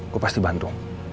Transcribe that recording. gue pasti bantu